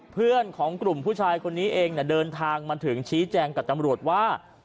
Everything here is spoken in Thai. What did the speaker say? ผู้ชายคนนี้เองเนี่ยเดินทางมาถึงชี้แจงกับตำรวจว่า